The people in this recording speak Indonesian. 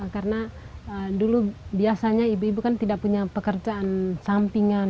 karena dulu biasanya ibu ibu kan tidak punya pekerjaan sampingan